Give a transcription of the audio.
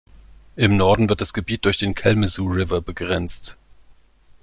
Im Norden wird das Gebiet durch den Kalamazoo River begrenzt.